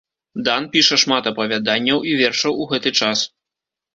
Дан піша шмат апавяданняў і вершаў у гэты час.